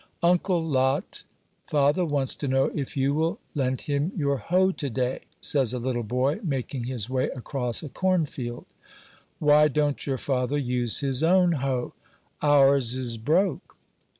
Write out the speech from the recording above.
"Uncle Lot, father wants to know if you will lend him your hoe to day," says a little boy, making his way across a cornfield. "Why don't your father use his own hoe?" "Ours is broke."